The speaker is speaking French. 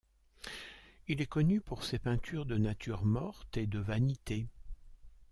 Il est connu pour ses peintures de natures mortes et de vanités.